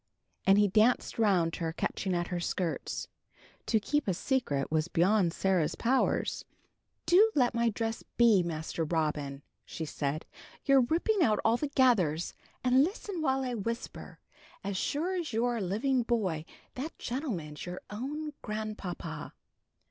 And he danced round her, catching at her skirts. To keep a secret was beyond Sarah's powers. "Do let my dress be, Master Robin," she said, "you're ripping out all the gathers, and listen while I whisper. As sure as you're a living boy, that gentleman's your own grandpapa."